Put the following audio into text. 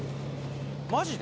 マジで？